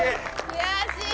悔しい！